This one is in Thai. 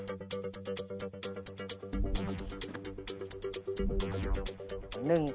อ้าวมีฮืดแสดงว่าฉงนแล้วนะครับ